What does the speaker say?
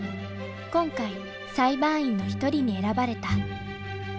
今回裁判員の一人に選ばれた。